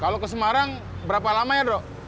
kalau ke semarang berapa lama ya dok